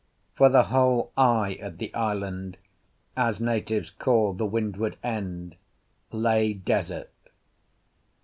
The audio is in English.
For the whole "eye" of the island, as natives call the windward end, lay desert.